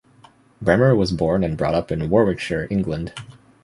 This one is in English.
Bremmer was born and brought up in Warwickshire, England.